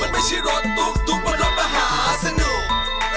มันไม่ใช่รถตุ๊กบนรถมหาสนุก